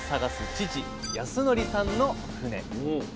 父康則さんの船。